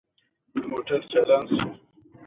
هغې د واده د عکسونو کتل ودرول.